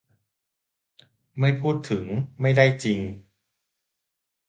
ไม่พูดถึงไม่ได้จริง